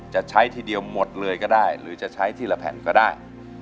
จะใช้ทีเดียวหมดเลยก็ได้หรือจะใช้ทีละแผ่นก็ได้